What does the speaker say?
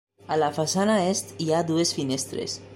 A la façana est, hi ha dues finestres.